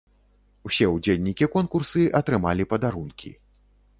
Усе ўдзельнікі конкурсы атрымалі падарункі.